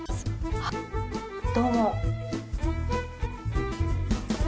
あどうも。